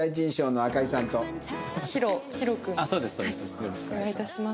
よろしくお願いします。